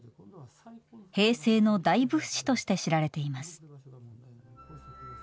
「平成の大仏師」として知られています。